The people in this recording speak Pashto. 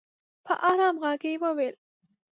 په ارام ږغ یې وویل